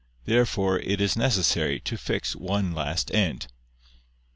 Therefore it is necessary to fix one last end.